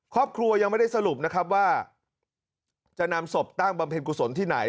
ครอบครัวยังไม่ได้สรุปนะครับว่าจะนำศพตั้งบำเพ็ญกุศลที่ไหน